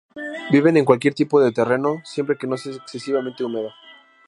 Viven en cualquier tipo de terreno siempre que no sea excesivamente húmedo.